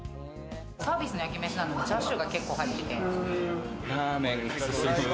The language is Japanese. サービスの焼き飯なのに、チャーシューが結構入ってて。